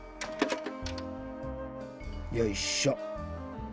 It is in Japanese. よいしょ。